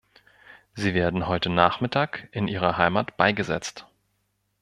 Sie werden heute Nachmittag in ihrer Heimat beigesetzt.